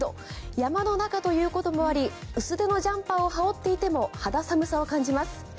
山の中ということもあり薄手のジャンパーを羽織っていても肌寒さを感じます。